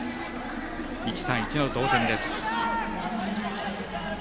１対１の同点です。